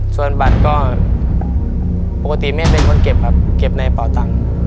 ส่วนบัตรก็ปกติแม่เป็นคนเก็บครับเก็บในเป่าตังค์